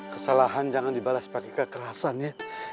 kesalahan jangan dibalas pakai kekerasan ya